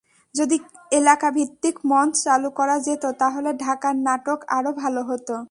যদি এলাকাভিত্তিক মঞ্চ চালু করা যেত, তাহলে ঢাকার নাটক আরও ভালো হতো।